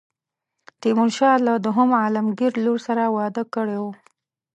تیمورشاه له دوهم عالمګیر لور سره واده کړی وو.